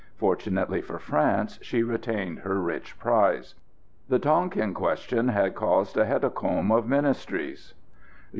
Fortunately for France she retained her rich prize. The Tonquin question had caused a hetacomb of Ministries.